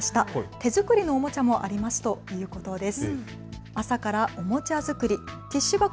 手作りのおもちゃもあるということです。